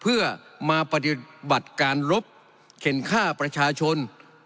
เพื่อมาปฏิบัติการรบเข็นค่าประชาชน